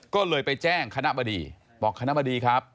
ก็เลยไปแจ้งคณะบดีบอกคณะบดีครับ